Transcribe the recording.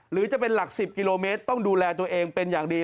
หรือจะเป็นหลัก๑๐กิโลเมตรต้องดูแลตัวเองเป็นอย่างดี